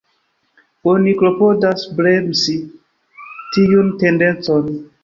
Oni klopodas bremsi tiun tendencon.